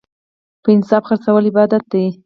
په انصاف خرڅول عبادت دی.